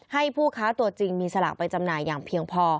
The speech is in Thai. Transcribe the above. ให้ผู้ค้าตัวจริงมีสลากไปจำหน่ายอย่างเพียงพอ